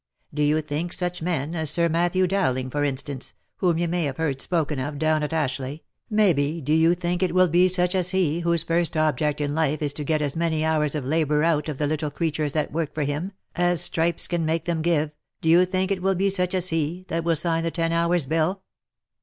— Do you think such men as Sir Matthew Dowling for instance, whom you may have heard spoken of, down at Ashleigh, maybe, do you think it will be such as he, whose first object in life is to get as many hours of labour out of the little creatures that work for him, as stripes can make them give, do you think it will be such as he, that will sign the ten hours bill